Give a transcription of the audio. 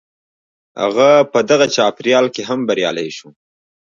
هغه په دغه چاپېريال کې هم بريالی شو.